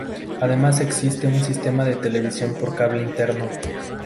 Además existe un sistema de televisión por cable interno.